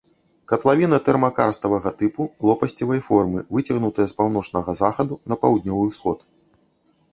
Катлавіна тэрмакарставага тыпу, лопасцевай формы, выцягнутая з паўночнага захаду на паўднёвы ўсход.